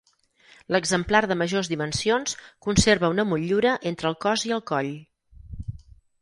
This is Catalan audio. L'exemplar de majors dimensions conserva una motllura entre el cos i el coll.